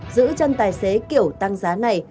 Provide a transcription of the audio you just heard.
giữ chân tài xế kiểu tăng giá này